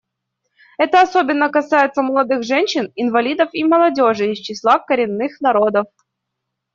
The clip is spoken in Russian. Это особенно касается молодых женщин, инвалидов и молодежи из числа коренных народов.